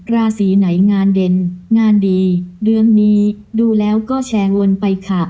ราศีไหนงานเด่นงานดีเดือนนี้ดูแล้วก็แชร์วนไปค่ะ